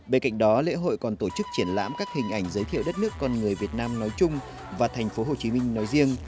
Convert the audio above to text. bên cạnh đó lễ hội còn tổ chức triển lãm các hình ảnh giới thiệu đất nước con người việt nam nói chung và thành phố hồ chí minh nói riêng